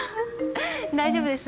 大丈夫です。